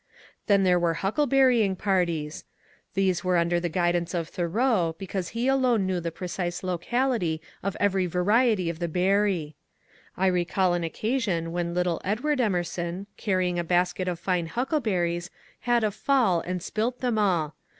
Then there were huckle berrying parties. These were under the guidance of Thoreau, because he alone knew the precise locality of every variety of the berry. I recall an occasion when little Edward Emerson, carrying a basket of fine huckleberries, had a fall and spilt them all.